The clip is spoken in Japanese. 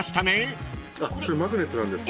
それマグネットなんです。